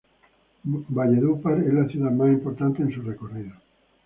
Valledupar es la ciudad más importante en su recorrido.